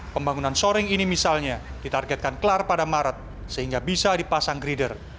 pembangunan shoring ini misalnya ditargetkan kelar pada maret sehingga bisa dipasang grider